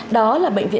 đó là bệnh nhân